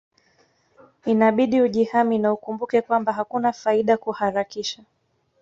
Inabidi ujihami na ukumbuke kwamba hakuna faida kuharakisha